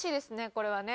これはね。